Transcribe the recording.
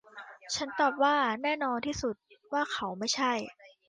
ฉันตอบว่า แน่นอนที่สุดว่าเขาไม่ใช่